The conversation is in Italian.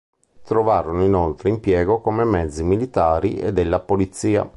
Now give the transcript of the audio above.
Trovarono inoltre impiego come mezzi militari e della polizia.